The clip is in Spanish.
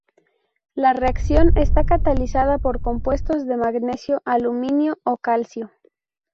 La reacción está catalizada por compuestos de magnesio, aluminio o calcio.